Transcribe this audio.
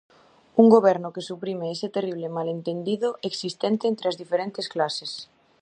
"Un goberno que suprime ese terrible malentendido existente entre as diferentes clases".